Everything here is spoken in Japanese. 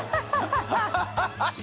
ハハハ